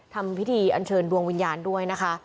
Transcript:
ทำพิธีอันเชิญดวงวิญญาณด้วยนะคะ